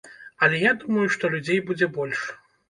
Але я думаю, што людзей будзе больш.